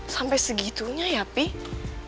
sampai segitunya ya pak